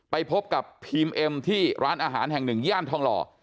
ไปพบกับพีมเอ็มที่ร้านอาหารแห่งหนึ่งย่านทองหล่อ